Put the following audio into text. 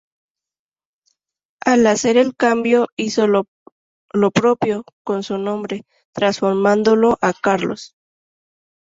Al hacer el cambio, hizo lo propio con su nombre, transformándolo a Carlo.